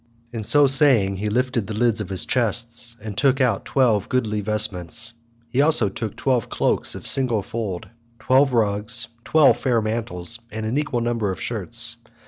So saying he lifted the lids of his chests, and took out twelve goodly vestments. He took also twelve cloaks of single fold, twelve rugs, twelve fair mantles, and an equal number of shirts.